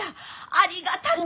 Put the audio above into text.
ありがたく！